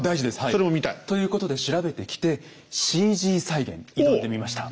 それも見たい。ということで調べてきてＣＧ再現挑んでみました。